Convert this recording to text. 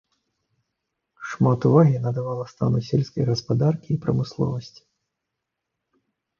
Шмат увагі надавала стану сельскай гаспадаркі і прамысловасці.